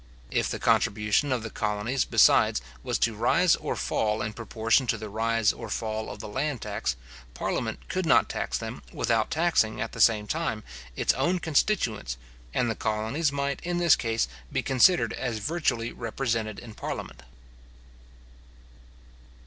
If the contribution of the colonies, besides, was to rise or fall in proportion to the rise or fall of the land tax, parliament could not tax them without taxing, at the same time, its own constituents, and the colonies might, in this case, be considered as virtually represented in parliament.